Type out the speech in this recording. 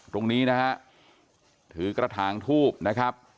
ตรงนี้นะฮะถือกระถางทูบนะครับ